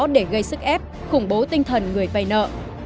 để gây sức ép khủng bố tinh thần người vay nợ